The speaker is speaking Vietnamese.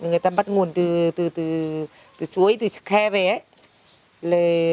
người ta bắt nguồn từ suối từ khe về ấy